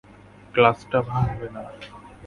গ্লাসটা ভাঙবে না।